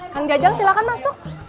kang gajang silahkan masuk